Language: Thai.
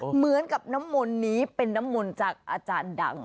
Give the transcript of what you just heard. เหมือนกับน้ำมนต์นี้เป็นน้ำมนต์จากอาจารย์ดัง